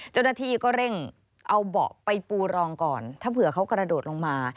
เจ้าหน้าที่ก็เร่งเอาเบาะไปปูรองก่อนถ้าเผื่อเขากระโดดลงมา